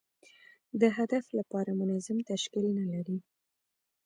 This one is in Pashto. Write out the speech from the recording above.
د هدف لپاره منظم تشکیل نه لري.